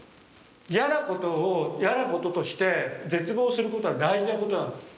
嫌なことを嫌なこととして絶望することは大事なことなの。